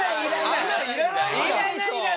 あんなの要らないんだ。